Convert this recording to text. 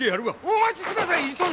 お待ちください殿！